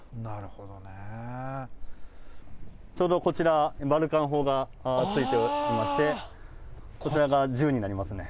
ちょうどこちら、バルカン砲がついていまして、こちらが銃になりますね。